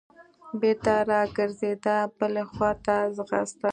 بېرته راګرځېده بلې خوا ته ځغسته.